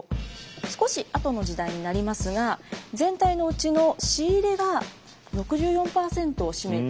少し後の時代になりますが全体のうちの「仕入れ」が６４％を占めていて。